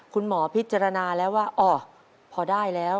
คุณหมอพิจารณาแล้วว่าอ๋อพอได้แล้ว